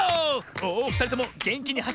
おふたりともげんきにはしってったぞ！